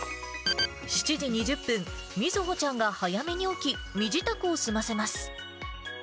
７時２０分、みずほちゃんが早めに起き、身支度を済ませます。